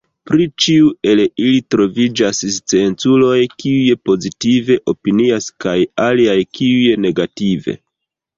Pri ĉiu el ili troviĝas scienculoj kiuj pozitive opinias kaj aliaj kiuj negative.